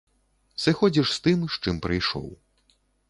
Сыходзіш з тым, з чым прыйшоў.